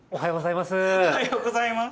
おはようございます！